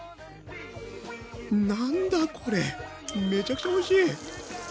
なんだこれめちゃくちゃおいしい！